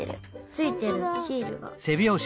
ついてるシールが。